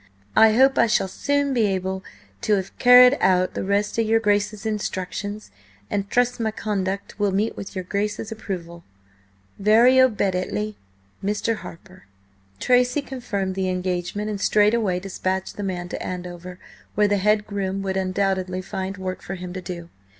I hope I shall soon be Able to have carrid out the Rest of yr. Grace's Instructions, and trust my Connduct will meet with Yr. Grace's Approvall. Very Obed'tly, M. HARPER." Tracy confirmed the engagement and straightway dispatched the man to Andover, where the head groom would undoubtedly find work for him to do.